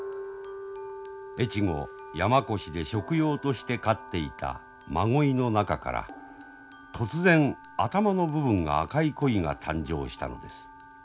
越後山古志で食用として飼っていた真鯉の中から突然頭の部分が赤い鯉が誕生したのです。